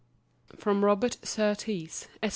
From Robert Surtees, _Esq.